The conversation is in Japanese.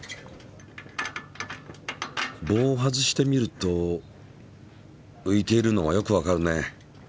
棒を外してみるとういているのがよくわかるね。